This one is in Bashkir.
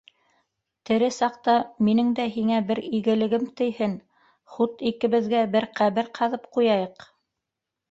Тере саҡта минең дә һиңә бер игелегем тейһен: хут икебеҙгә бер ҡәбер ҡаҙып ҡуяйыҡ?